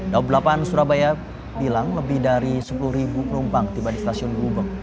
daob delapan surabaya bilang lebih dari sepuluh penumpang tiba di stasiun gubeng